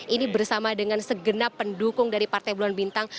ini bersama dengan segenap pendukung dari partai bulan bintang